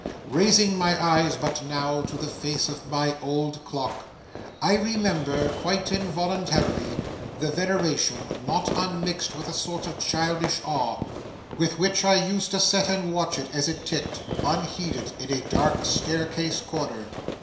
Raising my eyes but now to the face of my old clock, I remember, quite involuntarily, the veneration, not unmixed with a sort of childish awe, with which I used to sit and watch it as it ticked, unheeded in a dark staircase corner.